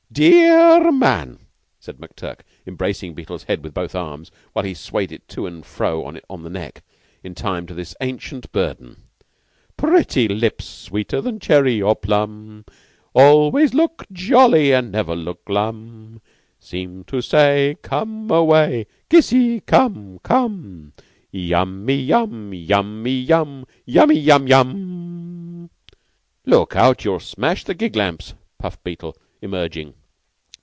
"Dear r man" said McTurk, embracing Beetle's head with both arms, while he swayed it to and fro on the neck, in time to this ancient burden "Pretty lips sweeter than cherry or plum. Always look jolly and never look glum; Seem to say Come away. Kissy! come, come! Yummy yum! Yummy yum! Yummy yum yum!" "Look out. You'll smash my gig lamps," puffed Beetle, emerging.